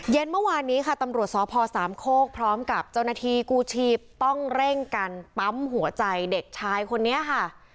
เมื่อวานนี้ค่ะตำรวจสพสามโคกพร้อมกับเจ้าหน้าที่กู้ชีพต้องเร่งกันปั๊มหัวใจเด็กชายคนนี้ค่ะ